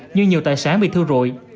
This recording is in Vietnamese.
như nhiều tài sản bị thiêu rùi